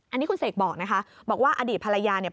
อันนี้คุณเสกบอกนะคะบอกว่าอดีตภรรยาเนี่ย